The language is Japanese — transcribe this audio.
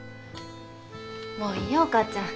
もういいよお母ちゃん。